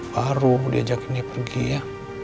baru diajakin dia pergi ya